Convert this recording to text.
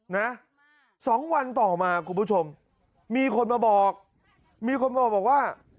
นะสองวันต่อมาคุณผู้ชมมีคนมาบอกมีคนมาบอกว่า